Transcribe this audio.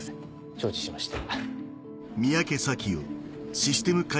承知しました。